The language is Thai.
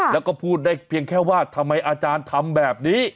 แล้วก็พูดได้เพียงแค่ว่าทำไมอาจารย์ทำแบบนี้